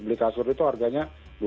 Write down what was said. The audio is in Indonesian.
beli kasur itu harganya dua ratus tiga ratus